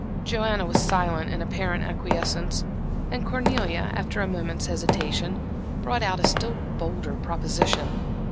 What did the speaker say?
Joanna was silent in apparent acquiescence; and Cornelia, after a moment's hesitation, brought out a still bolder proposition.